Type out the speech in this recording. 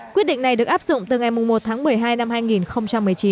quyết định này được áp dụng từ ngày một tháng một mươi hai năm hai nghìn một mươi chín